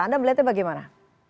anda melihatnya bagaimana